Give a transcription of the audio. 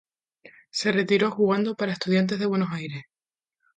Se retiró jugando para Estudiantes de Buenos Aires.